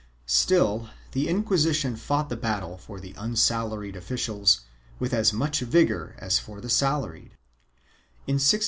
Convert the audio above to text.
2 Still, the Inquisition fought the battle for the unsalaried officials with as much vigor as for the salaried.